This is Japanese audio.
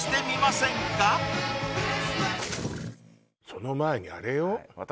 その前にあれよ